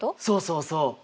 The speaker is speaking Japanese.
そうそうそう。